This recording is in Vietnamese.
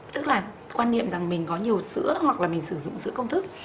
tức là quan niệm rằng mình có nhiều sữa hoặc là mình sử dụng sữa công thức